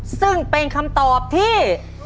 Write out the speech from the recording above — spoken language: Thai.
ซึ่งเป็นคำตอบที่